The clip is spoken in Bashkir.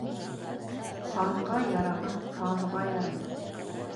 Ханға яраған таҙға ярамаҫ.